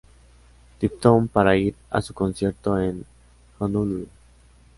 Tipton para ir a su concierto en Honolulu.